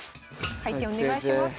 回転お願いします。